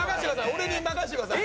俺に任せてください。